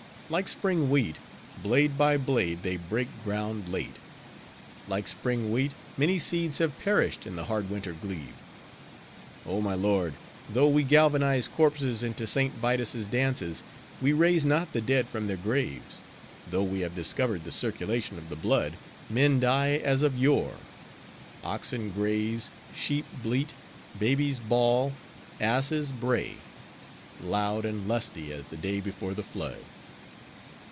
Like spring wheat, blade by blade, they break ground late; like spring wheat, many seeds have perished in the hard winter glebe. Oh, my lord! though we galvanize corpses into St. Vitus' dances, we raise not the dead from their graves! Though we have discovered the circulation of the blood, men die as of yore; oxen graze, sheep bleat, babies bawl, asses bray—loud and lusty as the day before the flood.